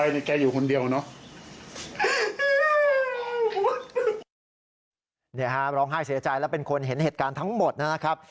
นี่ฮะร้องไห้เสียใจและเป็นคนเห็นเหตุการณ์ทั้งหมดนะครับ